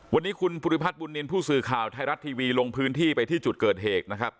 วันนี้คุณผู้สื่อข่าวไทยรัตน์ทีวีลงพื้นที่ไปที่จุดเกิดเหตุนะครับ